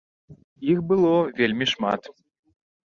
Іх было вельмі шмат.